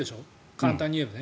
簡単に言えば。